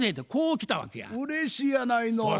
うれしいやないの。